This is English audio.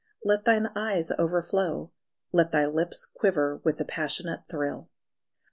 Let thine eyes overflow, Let thy lips quiver with the passionate thrill.